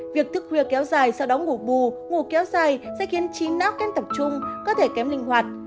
việc thức khuya kéo dài sau đó ngủ bù ngủ kéo dài sẽ khiến trí não khen tập trung cơ thể kém linh hoạt